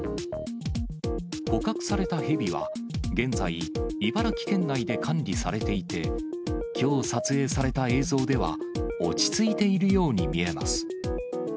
捕獲されたヘビは、現在、茨城県内で管理されていて、きょう撮影された映像では、落ち着いているように見えます。